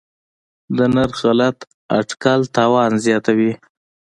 د نرخ غلط اټکل تاوان زیاتوي.